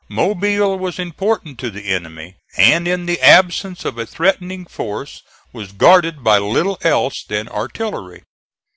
Mobile was important to the enemy, and in the absence of a threatening force was guarded by little else than artillery.